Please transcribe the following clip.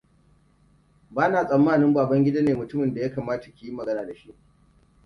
Bana tsammanin Babangida ne mutumin da ya kamata ki yi magana da shi.